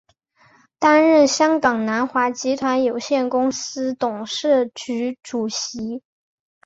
担任香港南华集团有限公司董事局主席。